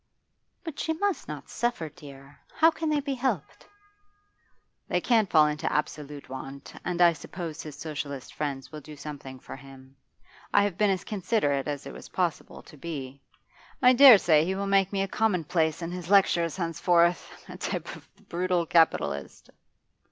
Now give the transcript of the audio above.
'But she must not suffer, dear. How can they be helped?' 'They can't fall into absolute want. And I suppose his Socialist friends will do something for him. I have been as considerate as it was possible to be. I dare say he will make me a commonplace in his lectures henceforth, a type of the brutal capitalist.